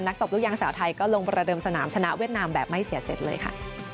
ตบลูกยางสาวไทยก็ลงประเดิมสนามชนะเวียดนามแบบไม่เสียเสร็จเลยค่ะ